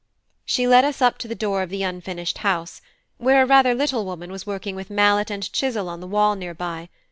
She led us up to the door of the unfinished house, where a rather little woman was working with mallet and chisel on the wall near by.